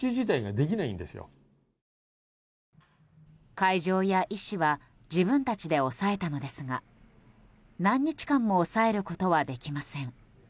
会場や医師は自分たちで押さえたのですが何日間も押さえることはできません。